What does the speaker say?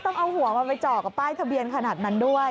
ต้องเอาหัวมันไปเจาะกับป้ายทะเบียนขนาดนั้นด้วย